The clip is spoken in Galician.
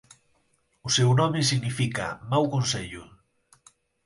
O seu nome significa "mau consello".